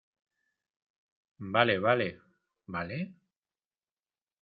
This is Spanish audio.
vale, vale. ¿ vale?